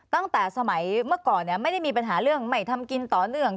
ตั้งแต่สมัยเมื่อก่อนไม่ได้มีปัญหาเรื่องใหม่ทำกินต่อเนื่อง